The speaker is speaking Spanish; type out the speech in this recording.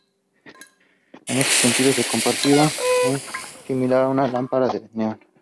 En este sentido, su comportamiento es similar a una lámpara de neón.